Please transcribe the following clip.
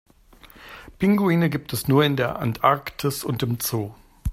Pinguine gibt es nur in der Antarktis und im Zoo.